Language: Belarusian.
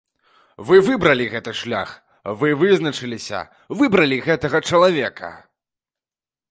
Вы выбралі гэты шлях, вы вызначыліся, выбралі гэтага чалавека.